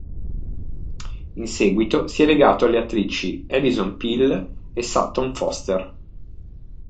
In seguito si è legato alle attrici Alison Pill e Sutton Foster.